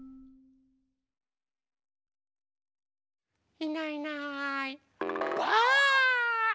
いないいないばあっ！